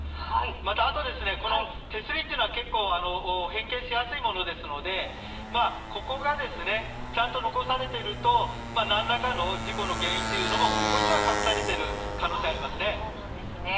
また、この手すりというのは結構変形しやすいものですのでここがちゃんと残されていると何らかの事故の原因というのもここには隠されている可能性ありますね。